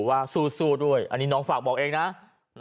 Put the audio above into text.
อยากเจอแล้วจะทำยังไงกับลุงตู่คะ